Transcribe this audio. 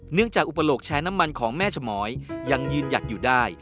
จากอุปโลกแชร์น้ำมันของแม่ชมอยยังยืนหยัดอยู่ได้